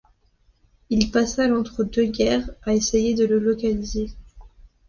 Il passa l’entre-deux-guerres à essayer de le localiser.